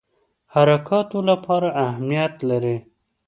حرکاتو لپاره اهمیت لري.